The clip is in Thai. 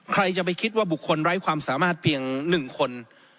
ใครจะไปคิดว่าบุคคลไร้ความสามารถเพียง๑คน